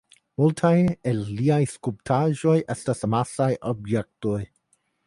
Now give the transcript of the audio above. Multaj el liaj skulptaĵoj estas amasaj objektoj.